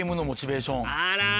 あら。